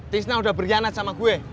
tisna udah berkhianat sama gue